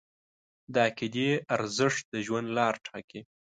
د عقیدې ارزښت د ژوند لار ټاکي.